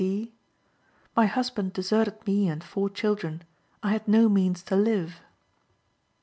C. C.: "My husband deserted me and four children. I had no means to live."